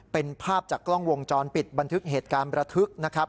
เป็นภาพจากกล้องวงจรปิดบันทึกเหตุการณ์ประทึกนะครับ